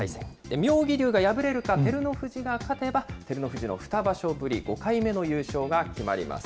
妙義龍が敗れるか、照ノ富士が勝てば、照ノ富士の２場所ぶり５回目の優勝が決まります。